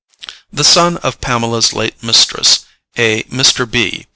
The son of Pamela's late mistress, a Mr. B.